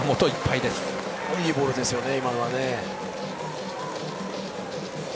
いいボールですね。